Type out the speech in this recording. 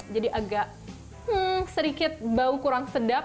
jadi agak sedikit bau kurang sedap